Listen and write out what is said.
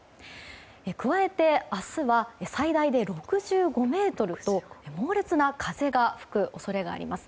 加えて明日は最大で６５メートルと猛烈な風が吹く恐れがあります。